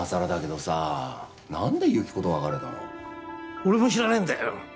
俺も知らねえんだよ。